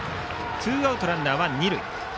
ツーアウト、ランナーは二塁。